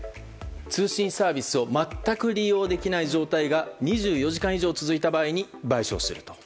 通信サービスを全く利用できない状態が２４時間以上続いた場合に賠償すると。